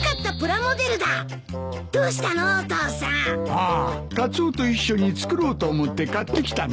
ああカツオと一緒に作ろうと思って買ってきたんだ。